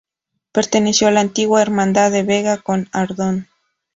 Perteneció a la antigua Hermandad de Vega con Ardón.